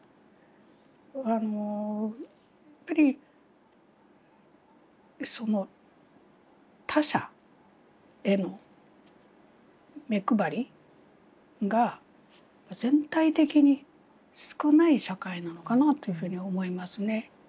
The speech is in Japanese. あのやっぱり他者への目配りが全体的に少ない社会なのかなというふうに思いますね。